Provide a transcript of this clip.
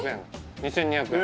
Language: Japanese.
２２００円